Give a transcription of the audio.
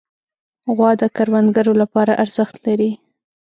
غوا د کروندګرو لپاره ارزښت لري.